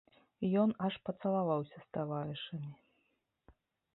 Ён аж пацалаваўся з таварышамі.